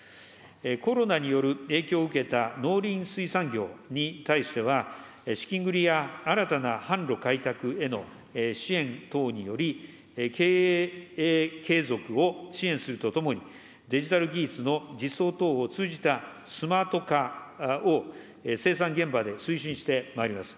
コロナによる影響を受けた農林水産業に対しては、資金繰りや新たな販路開拓への支援等により、経営継続を支援するとともに、デジタル技術の実装等を通じたスマート化を生産現場で推進してまいります。